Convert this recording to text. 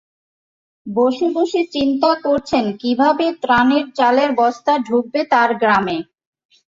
বসে বসে চিন্তা করছেন, কীভাবে ত্রাণের চালের বস্তা ঢুকবে তাঁর গ্রামে।